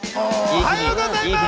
おはようございます。